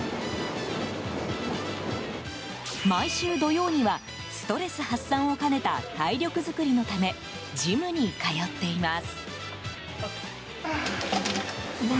毎週土曜にはストレス発散を兼ねた体力づくりのためジムに通っています。